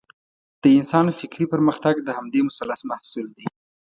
د انسان فکري پرمختګ د همدې مثلث محصول دی.